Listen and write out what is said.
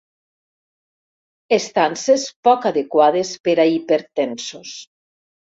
Estances poc adequades per a hipertensos.